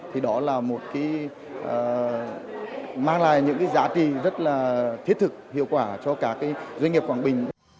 thì đó là một cái mang lại những cái giá trị rất là thiết thực hiệu quả cho các doanh nghiệp quảng bình